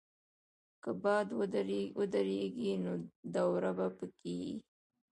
که باد ودریږي، نو دوړه به کښېني.